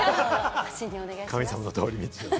神様の通り道をね。